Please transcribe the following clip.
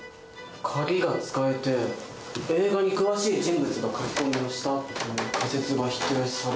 鍵が使えて映画に詳しい人物が書き込みをしたっていう仮説が否定される。